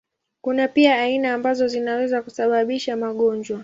Kuna pia aina ambazo zinaweza kusababisha magonjwa.